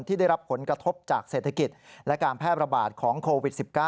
ที่ได้รับผลกระทบจากเศรษฐกิจและการแพร่ระบาดของโควิด๑๙